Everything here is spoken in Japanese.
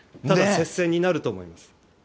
ただ、接戦になると思います。